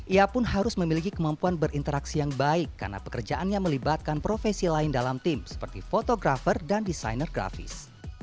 ia pun harus memiliki kemampuan berinteraksi yang baik karena pekerjaannya melibatkan profesi lain dalam tim seperti fotografer dan desainer grafis